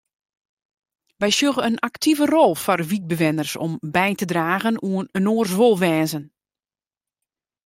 Wy sjogge in aktive rol foar wykbewenners om by te dragen oan inoars wolwêzen.